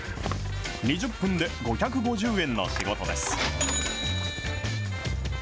２０分で５５０円の仕事です。